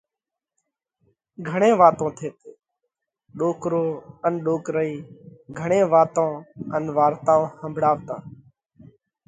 گھڻي واتون ٿيتي ڏوڪرو ان ڏوڪرئِي گھڻي واتون ان وارتائون ۿمڀۯاوَتا۔